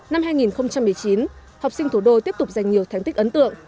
năm hai nghìn một mươi chín học sinh thủ đô tiếp tục giành nhiều thành tích ấn tượng